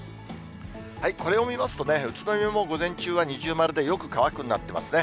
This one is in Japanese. これを見ますとね、宇都宮も午前中は二重丸でよく乾くになってますね。